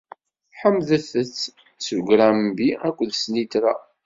Ḥemdet- t s ugrambi akked snitra!